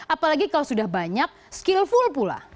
apalagi kalau sudah banyak skill full pula